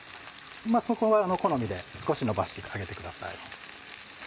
まぁそこは好みで少し延ばしてあげてください。